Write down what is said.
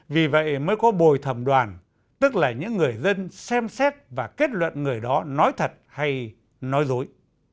vì vậy mới có bồi thẩm đoàn tức là những người dân xem xét và kết luận người đó nói thật hay nói dối